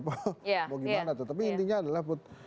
bagaimana tetapi intinya adalah